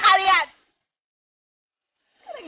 canta seratus sering